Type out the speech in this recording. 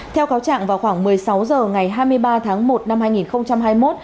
theo cáo trạng vào khoảng một mươi sáu h ngày hai mươi ba tháng một năm hai nghìn hai mươi một